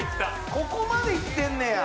ここまでいってんねや。